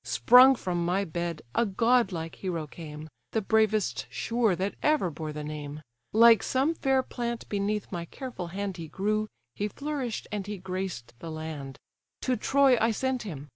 Sprung from my bed, a godlike hero came, The bravest sure that ever bore the name; Like some fair plant beneath my careful hand He grew, he flourish'd, and adorn'd the land! To Troy I sent him!